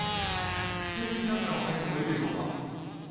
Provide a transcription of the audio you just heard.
テレビカメラも入っていいでしょうか？